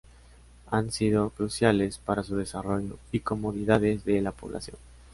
Han sido cruciales para su desarrollo y comodidades de la población.